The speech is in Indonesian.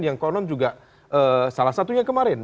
yang konon juga salah satunya kemarin